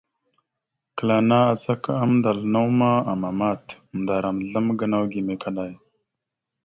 Kəla ana acaka amndal naw ma, amamat. Ndaram azlam gənaw gime kaɗay.